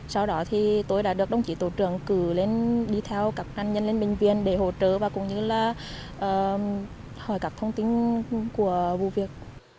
sau đó thì tôi đã được đồng chí tổ trưởng cử lên đi theo các nạn nhân lên bệnh viện để hỗ trợ và cũng như là hỏi các thông tin của vụ việc